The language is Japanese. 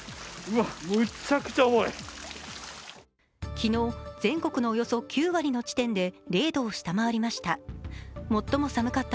昨日、全国のおよそ９割の地点で０度を下回りました。